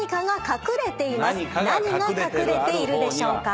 何が隠れているでしょうか。